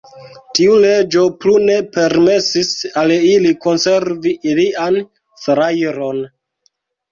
Tiu leĝo plu ne permesis al ili konservi ilian salajron.